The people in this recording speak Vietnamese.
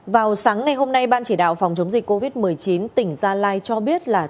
vào sáng ngày hôm nay ban chỉ đạo phòng chống dịch covid một mươi chín tỉnh gia lai cho biết là